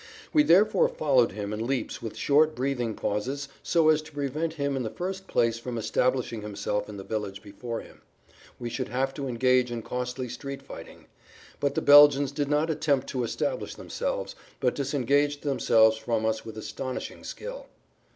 We therefore followed him in leaps with short breathing pauses so as to prevent him in the first place from establishing himself in the village before him. We knew that otherwise we should have to engage in costly street fighting. But the Belgians did not attempt to establish themselves, but disengaged themselves from us with astonishing skill.